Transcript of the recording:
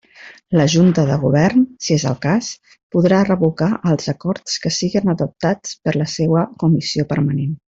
La junta de govern, si és el cas, podrà revocar els acords que siguen adoptats per la seua comissió permanent.